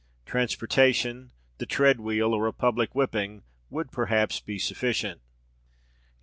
Transportation, the tread wheel, or a public whipping, would perhaps be sufficient.